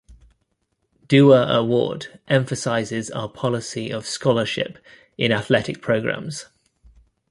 Duer Award emphasizes our policy of scholarship in athletic programs.